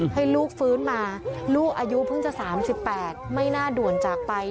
ให้ลูกฟื้นมาลูกอายุเพิ่งจะ๓๘ไม่น่าด่วนจากไป